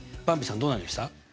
ばんびさんどうなりました？